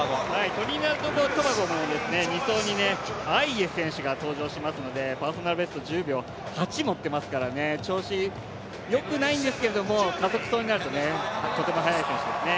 トリニダード・トバゴも２走にアイエ選手が登場しますのでパーソナルベスト１０秒８持っていますから調子よくないんですけど加速走になると速い選手ですね。